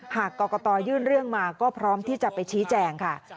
หากกรกตยื่นเรื่องมาก็พร้อมที่จะไปชี้แจงค่ะ